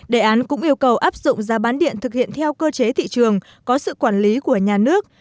đề án cũng yêu cầu áp dụng giá bán điện thực hiện theo cơ chế thị trường có sự quản lý của nhà nước